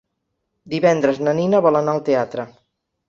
Divendres na Nina vol anar al teatre.